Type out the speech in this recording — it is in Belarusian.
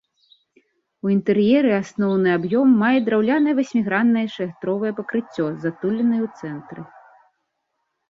У інтэр'еры асноўны аб'ём мае драўлянае васьміграннае шатровае пакрыццё з адтулінай у цэнтры.